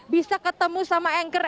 bisa ketemu sama anchor